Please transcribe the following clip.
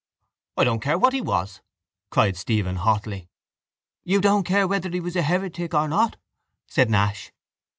—I don't care what he was, cried Stephen hotly. —You don't care whether he was a heretic or not? said Nash.